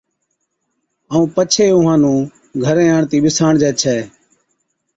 ائُون پڇي اُونھان نُون گھرين آڻتِي ٻِساڻجي ڇَي